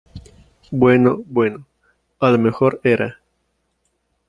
bueno , bueno , a lo mejor era